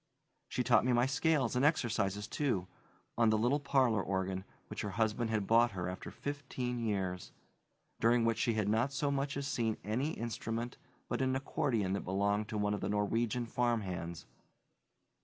She taught me my scales and exercises, too on the little parlor organ, which her husband had bought her after fifteen years, during which she had not so much as seen any instrument, but an accordion that belonged to one of the Norwegian farmhands.